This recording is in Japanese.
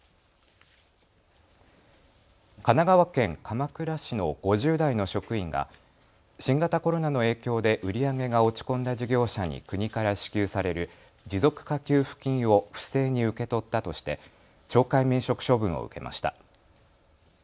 神奈川県鎌倉市の５０代の職員が新型コロナの影響で売り上げが落ち込んだ事業者に国から支給される持続化給付金を不正に受け取ったとして懲戒免職処分を受けました。